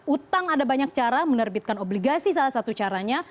utang ada banyak cara menerbitkan obligasi salah satu caranya